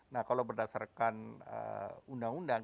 nah kalau berdasarkan undang undang